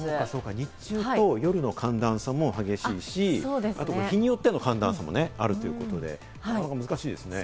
日中と夜の寒暖差も激しいし、あと、日によっての寒暖差もあるということで、難しいですね。